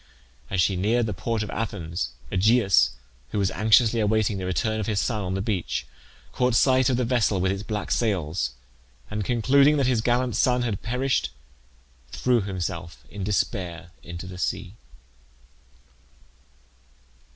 As she neared the port of Athens, Aegeus, who was anxiously awaiting the return of his son on the beach, caught sight of the vessel with its black sails, and concluding that his gallant son had perished, threw himself in despair into the sea.